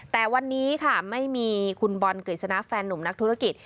แต่วันนี้ค่ะไม่มีคุณบอลกฤษณะแฟนนุ่มนักธุรกิจ